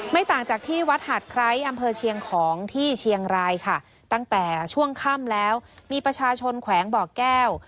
ต่างจากที่วัดหาดไคร้อำเภอเชียงของที่เชียงรายค่ะตั้งแต่ช่วงค่ำแล้วมีประชาชนแขวงบ่อแก้ว